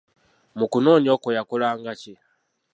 Mu kunoonya okwo yakolanga ki?